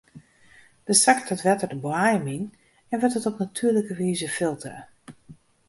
Dêr sakket it wetter de boaiem yn en wurdt it op natuerlike wize filtere.